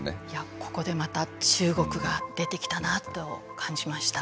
ここでまた中国が出てきたなと感じました。